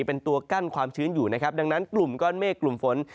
เป็นตัวกั้นความชื้นอยู่นะครับดังนั้นกลุ่มก้อนเมฆกลุ่มฝน